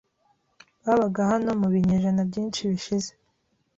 babaga hano mu binyejana byinshi bishize.